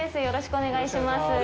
よろしくお願いします。